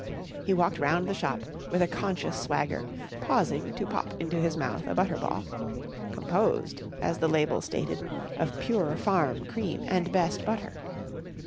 He walked round the shop with a conscious swagger, pausing to pop into his mouth a Butter Ball composed, as the label stated, of pure farm cream and best butter.